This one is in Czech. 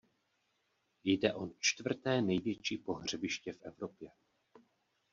Jde o čtvrté největší pohřebiště v Evropě.